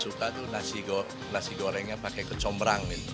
suka tuh nasi gorengnya pakai kecombrang